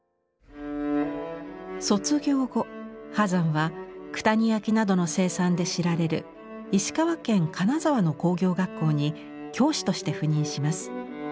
卒業後波山は九谷焼などの生産で知られる石川県金沢の工業学校に教師として赴任します。